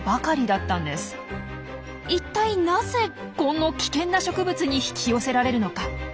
一体なぜこの危険な植物に引き寄せられるのか？